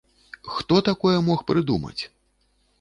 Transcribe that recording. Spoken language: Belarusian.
Хто такое мог прыдумаць?